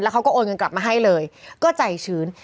เขาก็โอนเงินกลับมาให้เลยก็ใจชื้น